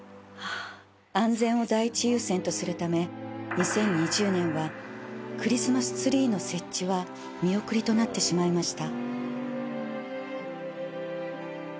［安全を第一優先とするため２０２０年はクリスマスツリーの設置は見送りとなってしまいました］